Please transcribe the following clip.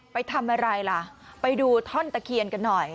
ไปทำอะไรล่ะไปดูท่อนตะเคียนกันหน่อย